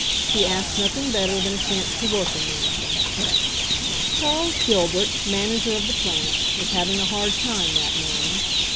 He asked nothing better than a chance to work in one of them. i Charles Gilbert, manager of the plants, was having a hard time that morning.